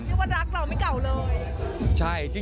ว่ารักเราไม่เก่าเลย